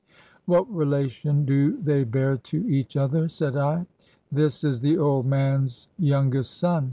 "What relation do they bear to each other?" said I. "This is the old man's youngest son.